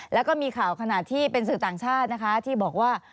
แล้วก็มีข่าวขณะที่เป็นสื่อต่างชาตินะคะที่บอกว่า